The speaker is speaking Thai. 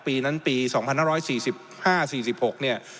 ปีนั้นปี๒๕๔๕๔๖เนี่ย